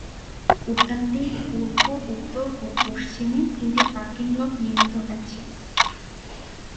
উদ্যানটির পূর্ব, উত্তর ও পশ্চিমে তিনটি পার্কিং লট নির্মিত হয়েছিল।